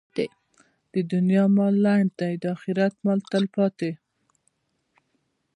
د دنیا مال لنډ دی، د اخرت مال تلپاتې.